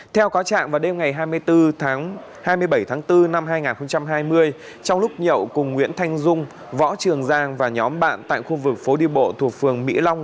theo có trạng vào đêm ngày hai mươi bốn tháng hai mươi bảy tháng bốn năm hai nghìn hai mươi trong lúc nhậu cùng nguyễn thanh dung võ trường giang và nhóm bạn tại khu vực phố đi bộ thuộc phường mỹ long